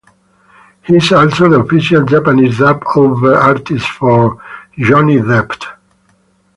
He is also the official Japanese dub-over artist for Johnny Depp.